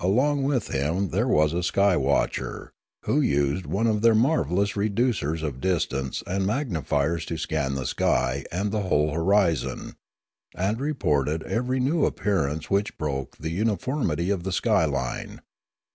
Along with him there was a sky watcher, who used one of their marvellous reducers of distance and magnifiers to scan the sky and the whole horizon, and reported every new appearance which broke the uni formity of the sky line.